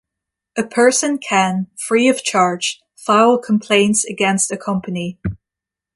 A person can, free of charge, file complaints against a company.